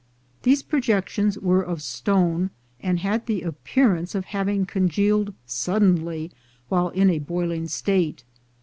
These projections were of stone, and had the appearance of having congealed suddenly while in a boiling state.